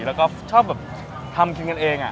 แล้วก็ชอบแบบทำกินกันเอง